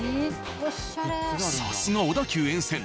さすが小田急沿線。